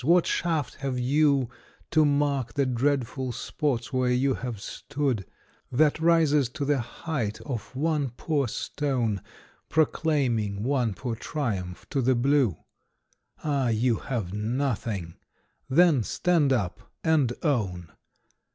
What shaft have you, To mark the dreadful spots where you have stood, That rises to the height of one poor stone Proclaiming one poor triumph to the blue ? Ah, you have nothing! Then stand up and own!